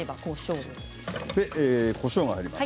こしょうが入ります。